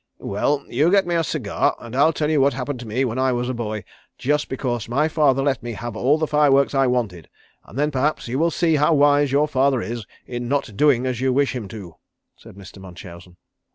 "Well, you get me a cigar, and I'll tell you what happened to me when I was a boy just because my father let me have all the fire works I wanted, and then perhaps you will see how wise your father is in not doing as you wish him to," said Mr. Munchausen.